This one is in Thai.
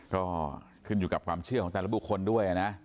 ก็ขึ้นอยู่กับความเชื่อของแต่ละบุคคลด้วยนะ